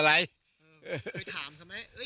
เคยถามสมัย